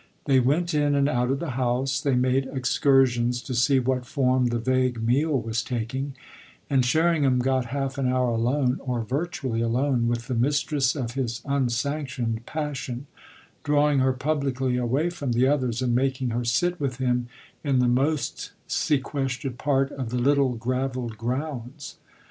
They went in and out of the house; they made excursions to see what form the vague meal was taking; and Sherringham got half an hour alone, or virtually alone, with the mistress of his unsanctioned passion drawing her publicly away from the others and making her sit with him in the most sequestered part of the little gravelled grounds.